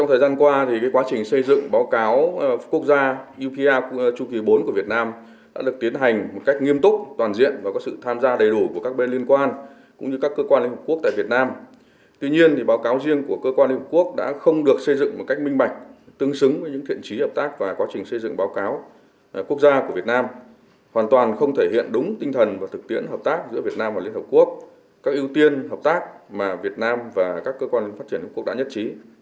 phó phát ngôn bộ ngoại giao việt nam và các cơ quan phát triển của liên hợp quốc đã nhất trí